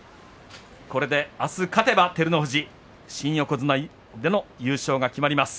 あす勝てば照ノ富士新横綱での優勝が決まります。